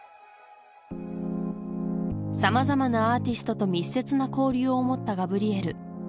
さまざまなアーティストと密接な交流を持ったガブリエル